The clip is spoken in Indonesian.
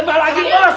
tembak lagi mas